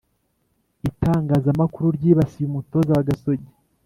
Itangaza makuru ry’ibasiye umutoza wa Gasogi